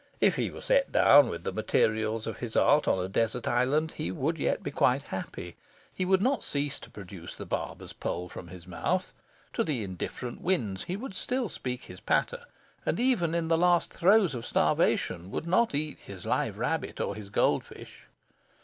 If he were set down, with the materials of his art, on a desert island, he would yet be quite happy. He would not cease to produce the barber's pole from his mouth. To the indifferent winds he would still speak his patter, and even in the last throes of starvation would not eat his live rabbit or his gold fish.